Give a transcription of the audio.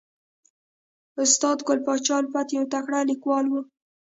استاد ګل پاچا الفت یو تکړه لیکوال و